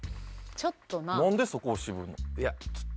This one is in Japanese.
なんでそこを渋るの？